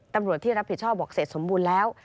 ตำรวจที่รับผิดชอบบอกเสร็จสมบูรณ์แล้ว